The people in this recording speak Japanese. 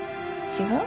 違う？